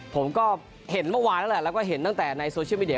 ผมก็เห็นเมื่อวานแล้วแหละแล้วก็เห็นตั้งแต่ในโซเชียลมีเง